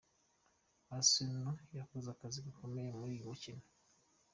Arsenal yakoze akazi gakomeye muri uyu mukino.